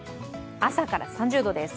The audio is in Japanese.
朝から３０度です。